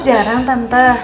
oh jarang tante